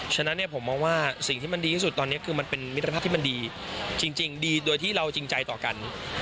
ฉะนั้นผมมองว่าสิ่งที่มันดีที่สุดตอนนี้คือมันเป็นมิตรภาพที่มันดีจริงดีโดยที่เราจริงใจต่อกัน